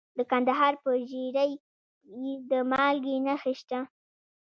د کندهار په ژیړۍ کې د مالګې نښې شته.